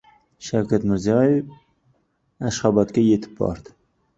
Shavkat Mirziyoyev Ashxobodga yetib bordi